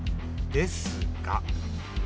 ですが。